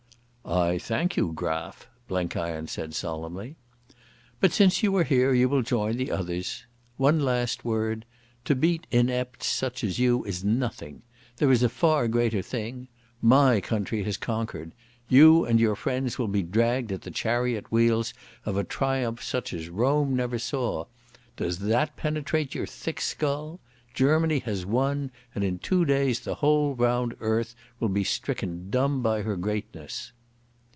"I thank you, Graf," Blenkiron said solemnly. "But since you are here you will join the others.... One last word. To beat inepts such as you is nothing. There is a far greater thing. My country has conquered. You and your friends will be dragged at the chariot wheels of a triumph such as Rome never saw. Does that penetrate your thick skull? Germany has won, and in two days the whole round earth will be stricken dumb by her greatness."